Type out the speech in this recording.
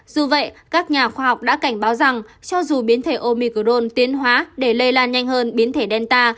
dù vậy các nhà khoa học đã cảnh báo rằng cho dù biến thể omicron tiến hóa để lây lan nhanh hơn biến thể delta